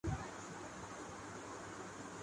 کار جہاں دراز ہے اب میرا انتظار کر